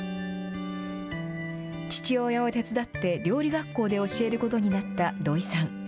父親を手伝って、料理学校で教えることになった土井さん。